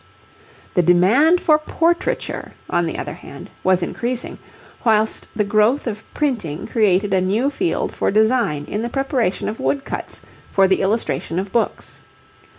The demand for portraiture, on the other hand, was increasing, whilst the growth of printing created a new field for design in the preparation of woodcuts for the illustration of books.